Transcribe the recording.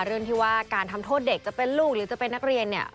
เรื่องที่ว่าการทำโทษเด็กจะเป็นลูกหรือจะเป็นนักเรียนเนี่ย